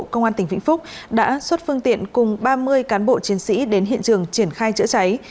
công an tỉnh vĩnh phúc đã xuất phương tiện cùng ba mươi cán bộ chiến sĩ đến hiện trường triển khai chữa cháy